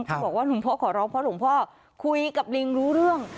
บอกว่าหลวงพ่อขอร้องเพราะหลวงพ่อคุยกับลิงรู้เรื่อง